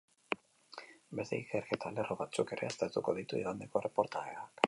Beste ikerketa lerro batzuk ere aztertuko ditu igandeko erreportajeak.